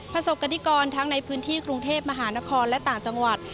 ประสบกรณิกรทั้งในพื้นที่กรุงเทพมหานครและต่างจังหวัด